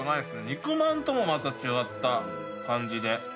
肉まんともまた違った感じで。